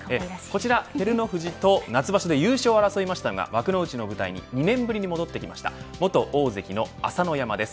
こちら照ノ富士と夏場所で優勝を争ったのが幕内の舞台に２年ぶりに戻ってきました元大関の朝乃山です。